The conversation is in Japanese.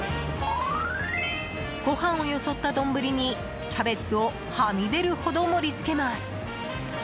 ご飯をよそった丼に、キャベツをはみ出るほど盛りつけます。